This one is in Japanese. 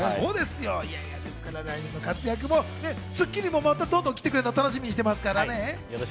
来年の活躍も『スッキリ』にもまた、どんどん来てくれるのを楽しみにしています。